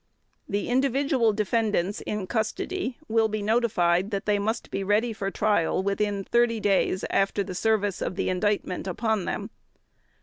"The individual defendants in custody will be notified that they must be ready for Trial within 30 days after the service of the Indictment upon them.